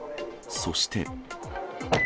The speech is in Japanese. そして。